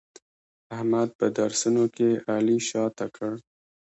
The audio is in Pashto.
احمد په درسونو کې علي شاته کړ.